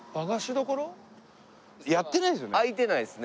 やってないですよね。